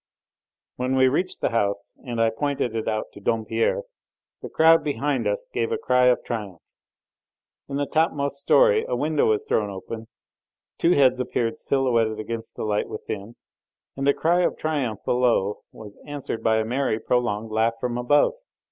When we reached the house and I pointed it out to Dompierre, the crowd behind us gave a cry of triumph. In the topmost storey a window was thrown open, two heads appeared silhouetted against the light within, and the cry of triumph below was answered by a merry, prolonged laugh from above.